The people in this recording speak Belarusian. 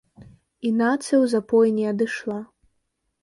І нацыя ў запой не адышла.